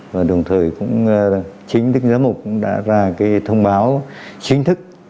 và đồng thời cũng chính thức giám mục cũng đã ra cái thông báo chính thức